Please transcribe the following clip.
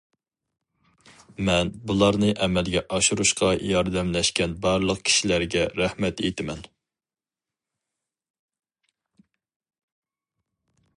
مەن بۇلارنى ئەمەلگە ئاشۇرۇشقا ياردەملەشكەن بارلىق كىشىلەرگە رەھمەت ئېيتىمەن.